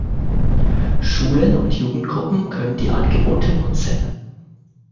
Schulen und Jugendgruppen können die Angebote nutzen.